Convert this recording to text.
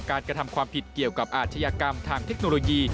กระทำความผิดเกี่ยวกับอาชญากรรมทางเทคโนโลยี